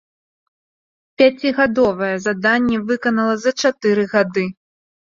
Пяцігадовае заданне выканала за чатыры гады.